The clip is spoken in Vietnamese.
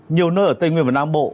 nhiều nơi ở tây nguyên và nam bộ